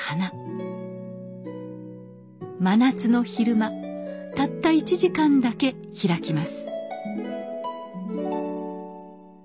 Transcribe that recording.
真夏の昼間たった１時間だけ開きます。